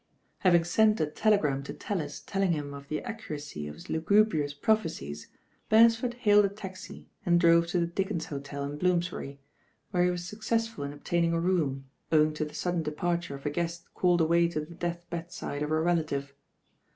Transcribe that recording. Having sent a telegram to Tallis telling him of the accuracy of his lugubrious prophesies, Beresford hailed a taxi and drove to the Dickens Hotel in Bloomsbury, where he was successful in obtaining a THE CALL OF THE RAIX GHIL 78 room, owing to the sudden departure of a guest called away to the death bedside of a relative.